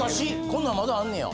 こんなんまだあんねや。